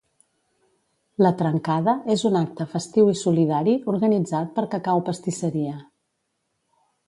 La "trencada" és un acte festiu i solidari organitzat per Cacau Pastisseria.